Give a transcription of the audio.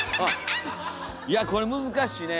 いやこれ難しいね。